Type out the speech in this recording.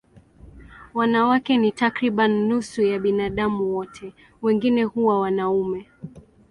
Wanawake ni takriban nusu ya binadamu wote, wengine huwa wanaume.